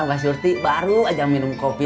nggak surti baru aja minum kopi